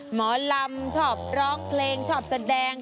หมอลำชอบร้องเพลงชอบแสดง